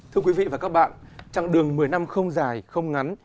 thưa quý vị và các bạn chặng đường một mươi năm không dài không ngắn